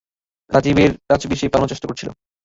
রাজবীর সে পালানোর চেষ্টা করছিল।